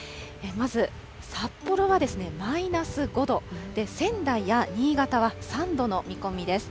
まず札幌はマイナス５度、仙台や新潟は３度の見込みです。